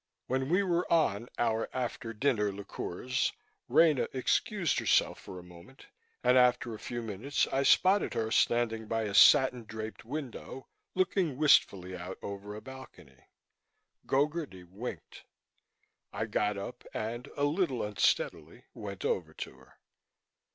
When we were on our after dinner liqueurs, Rena excused herself for a moment and, after a few minutes, I spotted her standing by a satin draped window, looking wistfully out over a balcony. Gogarty winked. I got up and, a little unsteadily, went over to her.